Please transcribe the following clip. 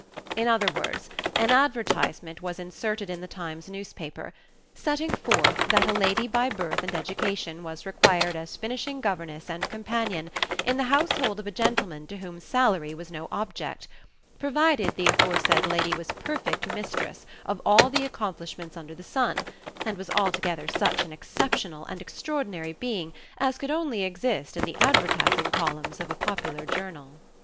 In other words, an advertisement was inserted in the Times newspaper, setting forth that a lady by birth and education was required as finishing governess and companion in the household of a gentleman to whom salary was no object, provided the aforesaid lady was perfect mistress of all the accomplishments under the sun, and was altogether such an exceptional and extraordinary being as could only exist in the advertising columns of a popular journal.